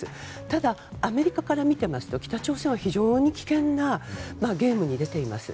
ただ、アメリカから見てますと北朝鮮は非常に危険なゲームに出ています。